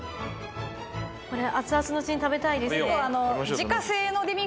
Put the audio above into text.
これ熱々のうちに食べたいですね